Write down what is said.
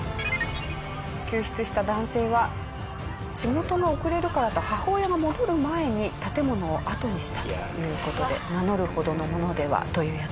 救出した男性は仕事が遅れるからと母親が戻る前に建物を後にしたという事で名乗るほどの者ではというやつですね。